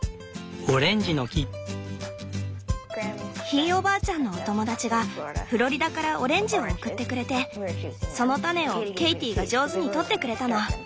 ひいおばあちゃんのお友達がフロリダからオレンジを送ってくれてその種をケイティが上手にとってくれたの。